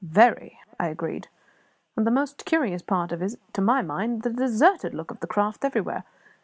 "Very," I agreed. "And the most curious part of it, to my mind, is the deserted look of the craft, everywhere.